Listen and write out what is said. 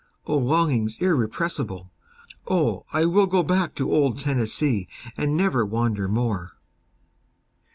O longings irrepressible! O I will go back to old Tennessee, and never wander more!